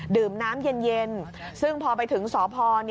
ดื่มน้ำเย็นซึ่งพอไปถึงสพ